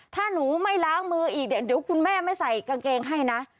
ถ้าหนูไม่ล้างมืออีกเดี๋ยวคุณแม่ไม่ใส่กางเกงให้นะ